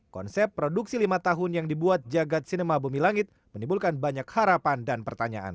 konsep produksi lima tahun yang dibuat jagat cinema bumi langit menimbulkan banyak harapan dan pertanyaan